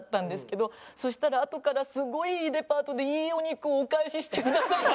そうしたらあとからすごいいいデパートでいいお肉をお返ししてくださって。